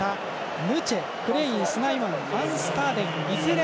ヌチェ、クレイン、スナイマンファンスターデン。